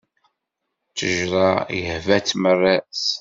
Ttejṛa-s ihba-tt maras.